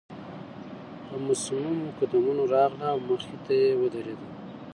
په مصممو قدمونو راغله او مخې ته يې ودرېده.